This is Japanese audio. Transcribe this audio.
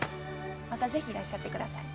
またぜひいらっしゃってください。